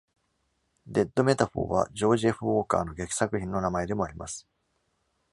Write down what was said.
Dead Metaphor は、ジョージ F. ウォーカーの劇作品の名前でもあります。